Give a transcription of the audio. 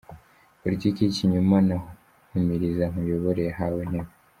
-Politiki y’ikinyoma na humiriza nkuyobore yahawe intebe;